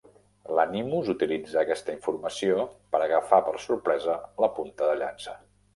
L'Animus utilitza aquesta informació per agafar per sorpresa la punta de llança.